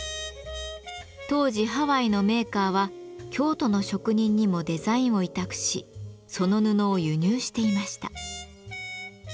当時ハワイのメーカーは京都の職人にもデザインを委託しその布を輸入していました。